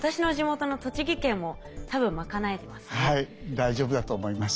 大丈夫だと思います。